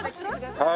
はい。